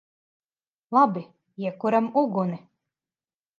Labi. Iekuram uguni!